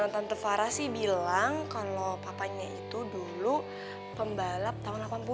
tante fara sih bilang kalau papanya itu dulu pembalap tahun delapan puluh